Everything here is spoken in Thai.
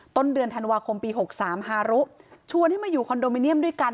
ต้นเดือนธันวาคมปี๖๓ฮารุชวนให้มาอยู่คอนโดมิเนียมด้วยกัน